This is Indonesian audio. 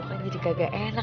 gue kan jadi kagak enak